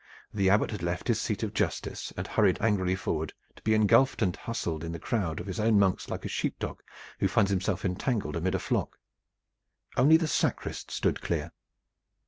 The Abbot had left his seat of justice and hurried angrily forward, to be engulfed and hustled in the crowd of his own monks like a sheep dog who finds himself entangled amid a flock. Only the sacrist stood clear.